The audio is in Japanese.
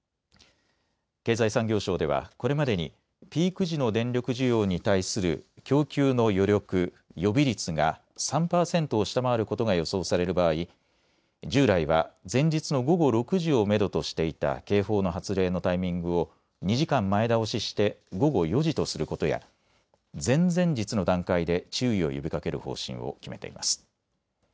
経済産業省ではこれまでにピーク時の電力需要に対する供給の余力、予備率が３％を下回ることが予想される場合、従来は前日の午後６時をめどとしていた警報の発令のタイミングを２時間前倒しして午後４時とすることや前々日の段階で注意を呼びかける方針を決めています。